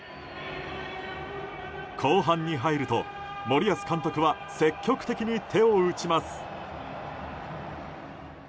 後半に入ると森保監督は積極的に手を打ちます。